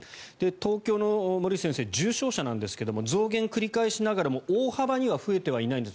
東京の重症者なんですが増減を繰り返しながらも大幅には増えていないんです。